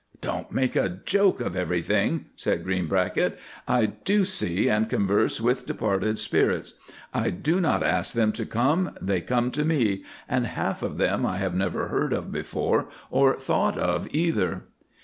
"Don't make a joke of everything," said Greenbracket, "I do see and converse with departed spirits. I do not ask them to come; they come to me, and half of them I have never heard of before or thought of either."